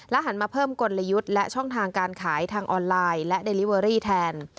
หันมาเพิ่มกลยุทธ์และช่องทางการขายทางออนไลน์และเดลิเวอรี่แทน